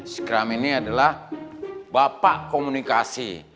scrum ini adalah bapak komunikasi